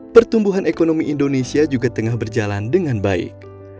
pertumbuhan ekonomi indonesia juga tengah berjalan dengan baik